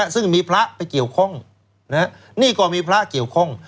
ซึ่งมีพระไปเกี่ยวข้องนี่ก็มีพระเกี่ยวข้อง